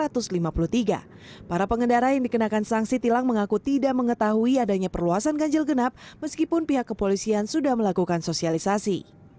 para pengendara yang dikenakan sanksi tilang mengaku tidak mengetahui adanya perluasan ganjil genap meskipun pihak kepolisian sudah melakukan sosialisasi